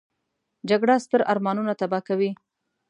جګړه ستر ارمانونه تباه کوي